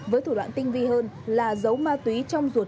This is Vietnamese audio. với thủ đoạn tinh vi hơn là giấu ma túy trong ruột